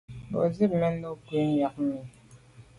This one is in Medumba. Mba zit mèn no nke mbù’ miag mi.